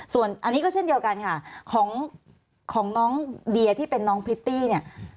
ส่วนอันนี้ก็เช่นเดียวกันค่ะของน้องเดียที่เป็นน้องพริตตี้เนี่ย